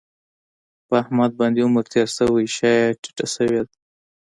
په احمد باندې عمر تېر شوی شا یې ټیټه شوې ده.